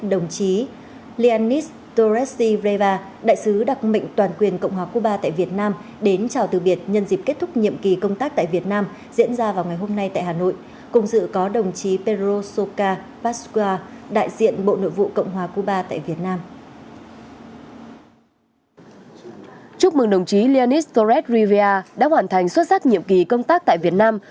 đồng chí leonis torres riviera đã hoàn thành xuất sắc nhiệm kỳ công tác tại việt nam